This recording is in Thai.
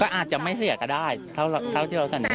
อาจจะไม่เสียก็ได้เท่าที่เราเสนอ